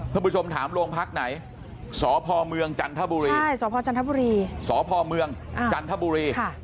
ถ้าผู้ชมถามโรงพักไหนสพเมืองจันทบุรีสพเมืองจันทบุรี